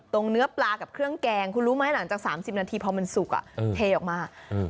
เนื้อปลากับเครื่องแกงคุณรู้ไหมหลังจาก๓๐นาทีพอมันสุกเทออกมา